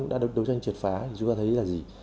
đã đấu tranh triệt phá chúng ta thấy là gì